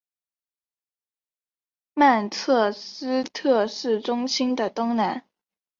曼彻斯特市中心的东南。